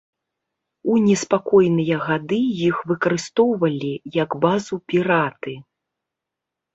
У неспакойныя гады іх выкарыстоўвалі як базу піраты.